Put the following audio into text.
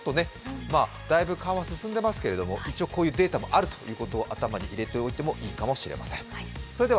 大分、緩和進んでいますけれども、一応こういうデータがあるということを頭に入れておいてもいいかもしれません。